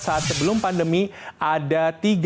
saat sebelum pandemi ada